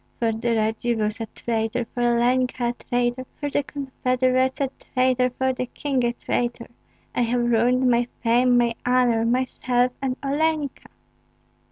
"For the Radzivills a traitor, for Olenka a traitor, for the confederate's a traitor, for the king a traitor! I have ruined my fame, my honor, myself, and Olenka!"